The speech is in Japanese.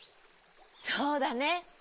そうだね。